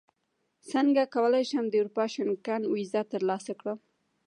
څنګه کولی شم د اروپا شینګن ویزه ترلاسه کړم